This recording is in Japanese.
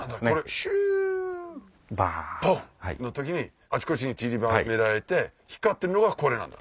シュボンの時にあちこちにちりばめられて光ってるのがこれなんだ。